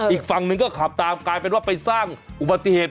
อีกฝั่งหนึ่งก็ขับตามกลายเป็นว่าไปสร้างอุบัติเหตุ